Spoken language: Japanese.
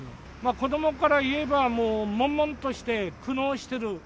子どもからいえば、もう悶々として苦悩してる。